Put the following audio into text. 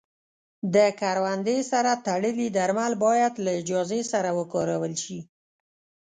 د کروندې سره تړلي درمل باید له اجازې سره وکارول شي.